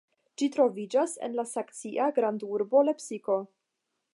Ĝi troviĝas en la saksia grandurbo Lepsiko.